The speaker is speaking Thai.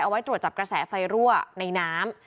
ไว้ตรวจจับกระแสไฟรั่วในน้ำ